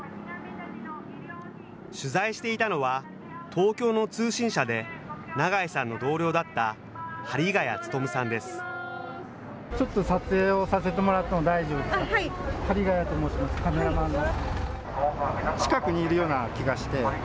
取材していたのは、東京の通信社で長井さんの同僚だった針谷勉さんです。